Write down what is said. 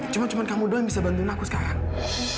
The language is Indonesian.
cuma cuma kamu doa yang bisa bantuin aku sekarang